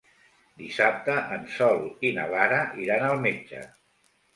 Dissabte en Sol i na Lara iran al metge.